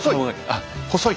細い。